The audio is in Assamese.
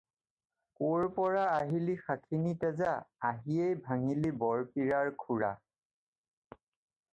ক'ৰ পৰা আহিলি শাখিনী তেজা, আহিয়েই ভাঙিলি বৰপীৰাৰ খুৰা।